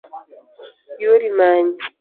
Yuori manyi